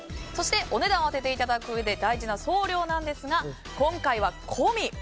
お値段を当てていただくうえで大事な送料なんですが、今回は込み。